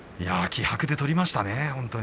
気迫で取りましたね。